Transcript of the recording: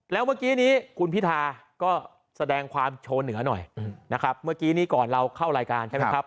แล้วเมื่อกี้นี้คุณพิธาก็แสดงความโชว์เหนือหน่อยนะครับเมื่อกี้นี้ก่อนเราเข้ารายการใช่ไหมครับ